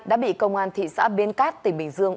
đã bị công an thị xã biên cát tỉnh bình dương